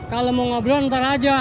kalau mau ngobrol ntar aja